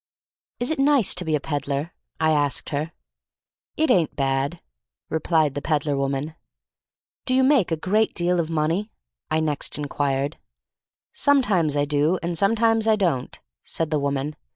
"Is it nice to be a peddler?'* I asked her. "It ain't bad," replied the peddler woman. THE STORY OF MARY MAC LANE 305 "Do you make a great deal of money?" I next inquired. "Sometime I do, and sometime I don't," said the woman.